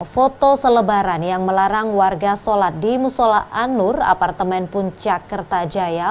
foto selebaran yang melarang warga sholat di musola anur apartemen puncak kertajaya